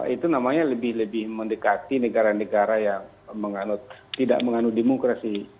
itu namanya lebih mendekati negara negara yang tidak mengandung demokrasi